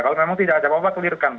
kalau memang tidak ada apa apa clear kan